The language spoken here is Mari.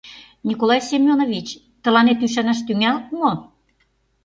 Николай Семёнович, тыланет ӱшанаш тӱҥалыт мо?